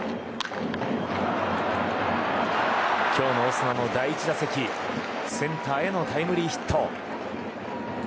今日のオスナの第１打席センターへのタイムリーヒット。